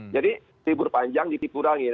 jadi libur panjang dikurangi